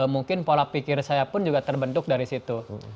mungkin pola pikir saya pun juga terbentuk dari situ